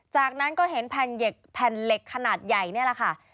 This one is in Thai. จากนั้นก็เห็นแผ่นเหล็กขนาดใหญ่นี่แหละค่ะ